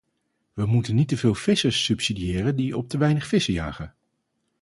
We moeten niet te veel vissers subsidiëren die op te weinig vissen jagen.